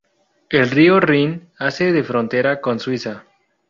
El río Rin hace de frontera con Suiza.